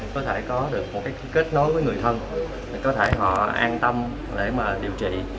có thể có được một kết nối với người thân có thể họ an tâm để điều trị